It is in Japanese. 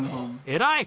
偉い！